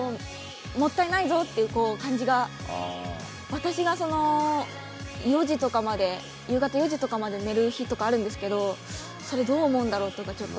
私がその４時とかまで夕方４時とかまで寝る日とかあるんですけどそれどう思うんだろう？とかちょっと。